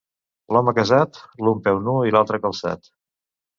L'home casat, l'un peu nu i l'altre calçat.